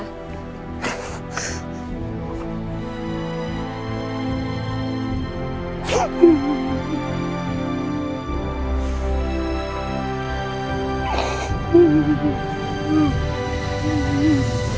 มีความสุขอยู่ด้วยกัน